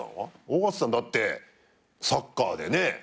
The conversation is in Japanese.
尾形さんだってサッカーでね。